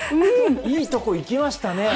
いいところいきましたね。